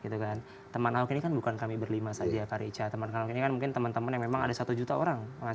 teman ahok ini kan bukan kami berlima saja kak richa teman teman ini kan mungkin teman teman yang memang ada satu juta orang